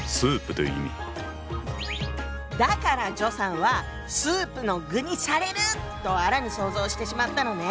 だから徐さんはスープの具にされるとあらぬ想像をしてしまったのね。